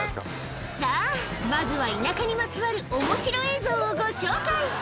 さぁまずは田舎にまつわる面白映像をご紹介